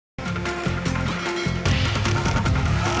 nah begitu lah